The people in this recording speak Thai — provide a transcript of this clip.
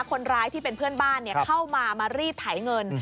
คนร้ายที่เป็นเพื่อนบ้านเข้ามามารีดไถเงิน